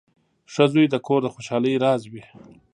• ښه زوی د کور د خوشحالۍ راز وي.